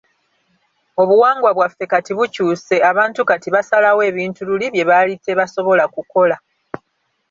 Obuwangwa bwaffe kati bukyuuse abantu kati basalawo ebintu luli bye baali tebasobola kukola.